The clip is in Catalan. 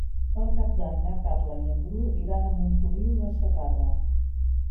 Per Cap d'Any na Carla i en Bru iran a Montoliu de Segarra.